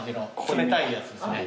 冷たいやつですね。